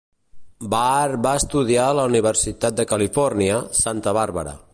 Bahar va estudiar a la Universitat de Califòrnia, Santa Bàrbara.